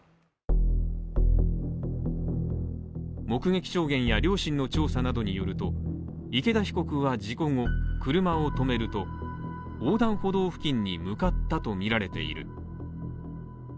目撃証言や、両親の調査などによると、池田被告は事故後車を止めると横断歩道付近に向かったとみられている。